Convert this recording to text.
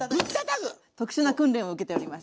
特殊な訓練を受けております。